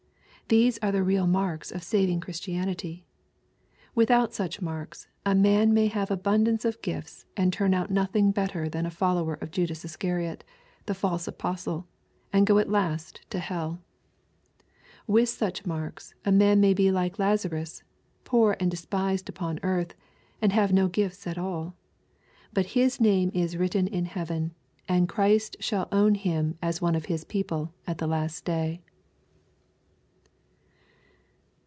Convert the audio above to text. These are the real marks of saving Chnstianity. Without such marks, a man may have abundance of gifts and turn out nothing better than a fol" lower of Judas Iscariot, the false apostle, and go at last to hell. With such marks, a man may be like Lazarus, poor and despised upon earth, and have no gifts at all. But his name is written in heaven, and Christ shall own him as one of His people at the last day.